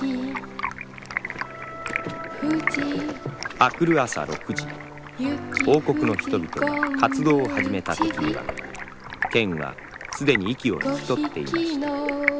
あくる朝６時、王国の人々が活動を始めたときにはケンはすでに息を引き取っていました。